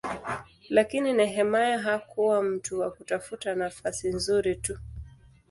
Lakini Nehemia hakuwa mtu wa kutafuta nafasi nzuri tu.